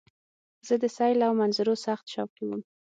زه د سیل او منظرو سخت شوقی وم.